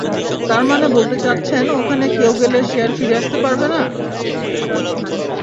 তার মানে বলতে চাচ্ছেন ওখানে কেউ গেলে সে আর ফিরে আসতে পারবে না?